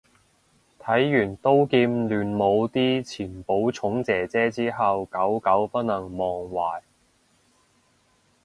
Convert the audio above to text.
睇完刀劍亂舞啲前寶塚姐姐之後久久不能忘懷